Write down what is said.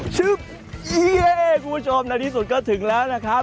คุณผู้ชมในที่สุดก็ถึงแล้วนะครับ